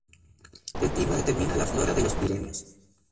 El clima determina la flora de los Pirineos.